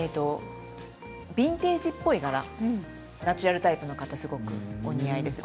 ビンテージっぽい柄がナチュラルタイプの方にはすごくお似合いです。